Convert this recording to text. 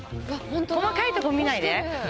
細かいとこ見ないで。